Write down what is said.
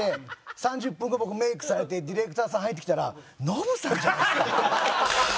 ３０分後僕メイクされてディレクターさん入ってきたら「ノブさんじゃないですか」。